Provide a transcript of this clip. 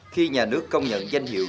khi nhà nước công nhận danh hiệu